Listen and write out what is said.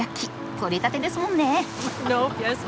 取れたてですもんね！